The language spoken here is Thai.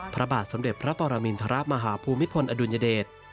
พระบาทสมเด็จพระปรมินทรมาฮภูมิพลอดุลยเดช